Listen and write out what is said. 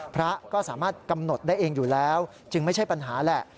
พระก็สามารถกำหนดได้เองอยู่แล้วจึงไม่ใช่ปัญหาแหละ